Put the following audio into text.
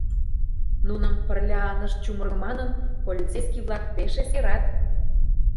Нуным, пырля ынышт чумырго манын, полицейский-влак пеш эскерат.